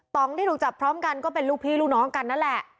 องที่ถูกจับพร้อมกันก็เป็นลูกพี่ลูกน้องกันนั่นแหละ